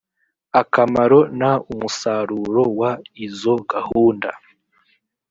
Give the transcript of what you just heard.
akamaro n umusaruro w izo gahunda